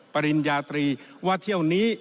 ปริญญาตรีว่าเที่ยวนี้